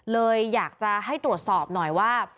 เลยอยากจะให้ตรวจสอบหน่อยว่า